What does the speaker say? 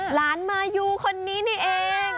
หลานมายูคนนี้นี่เอง